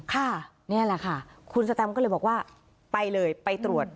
ค่ะนี่แหละค่ะคุณสแตมก็เลยบอกว่าไปเลยไปตรวจ